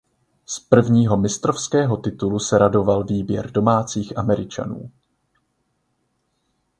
Z prvního mistrovského titulu se radoval výběr domácích Američanů.